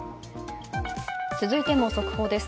続いても速報です。